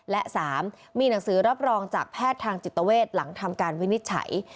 และ๓มีหนังสือรับรองจากแพทย์ทางจิตเวทหลังทำการวินิจฉัย